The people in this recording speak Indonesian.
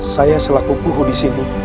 saya sebagai kuku di sini